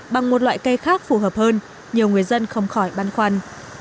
bằng một loại cây khác phù hợp hơn nhiều người dân không khỏi băn khoăn